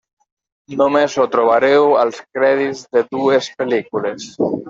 Només ho trobareu als crèdits de dues pel·lícules.